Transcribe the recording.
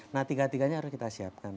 nah tiga tiganya harus kita siapkan